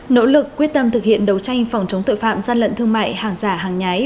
nỗ lực quyết tâm thực hiện đấu tranh phòng chống tội phạm gian lận thương mại hàng giả hàng nhái